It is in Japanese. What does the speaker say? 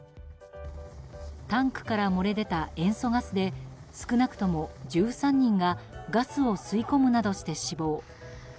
タンクから漏れ出た塩素ガスで少なくとも１３人がガスを吸い込むなどして死亡。